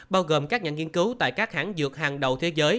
bao gồm các nhà nghiên cứu tại các hãng dược hàng đầu thế giới